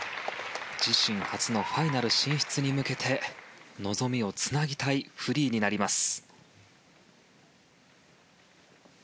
自身初のファイナル進出に向けて望みをつなぎたいフリーになります。